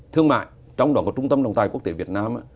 thương mại trong đó có trung tâm nông tài quốc tế việt nam